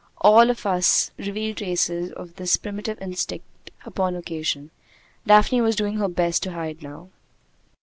All of us reveal traces of this primitive instinct upon occasion. Daphne was doing her best to hide now.